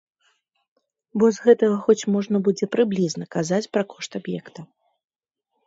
Бо з гэтага хоць можна будзе прыблізна казаць пра кошт аб'екта.